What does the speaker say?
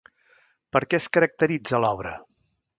Per què es caracteritza l'obra?